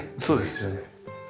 そうですね。